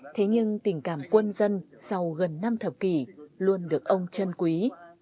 thế nhưng tình cảm quân dân sau gần năm thập kỷ luôn được ông chân quý